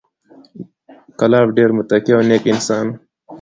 کلاب ډېر متقي او نېک انسان و،